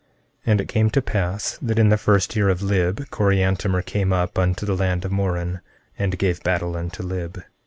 14:11 And it came to pass that in the first year of Lib, Coriantumr came up unto the land of Moron, and gave battle unto Lib.